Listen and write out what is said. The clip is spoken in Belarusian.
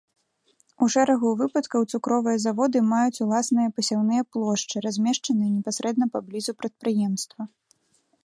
У шэрагу выпадкаў цукровыя заводы маюць уласныя пасяўныя плошчы, размешчаныя непасрэдна паблізу прадпрыемства.